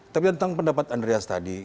tapi tentang pendapat andreas tadi